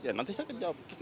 ya nanti saya akan jawab